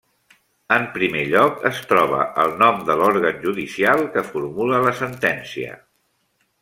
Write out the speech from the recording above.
En primer lloc, es troba el nom de l'òrgan judicial que formula la sentència.